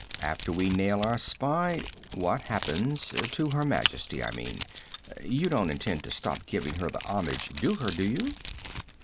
After we nail our spy, what happens ... to Her Majesty, I mean? You don't intend to stop giving her the homage due her, do you?"